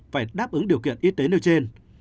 phải đáp ứng điều kiện y tế nêu trên